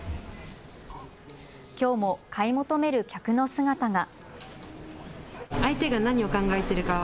きょうも買い求める客の姿が。